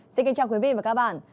xin kính chào quý vị và các bạn